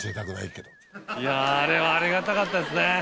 いやあれはありがたかったですね。